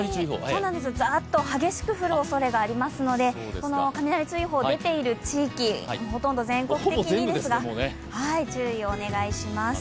急にザッと激しくおそれがらいますので、雷注意報が出ている地域ほとんど全国的にですが、注意をお願いします。